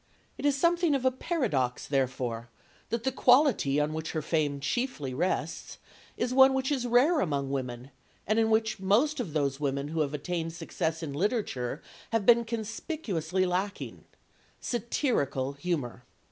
It is something of a paradox, therefore, that the quality on which her fame chiefly rests is one which is rare among women, and in which most of those women who have attained success in literature have been conspicuously lacking satirical humour.